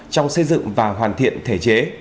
trong xây dựng và hoàn thiện thể chế